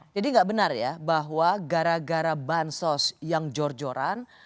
jadi tidak benar ya bahwa gara gara bansos yang jorjoran